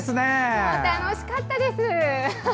もう楽しかったです！